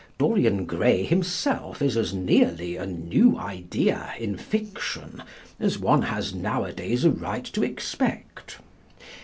Dorian Gray himself is as nearly a new idea in fiction as one has now a days a right to expect.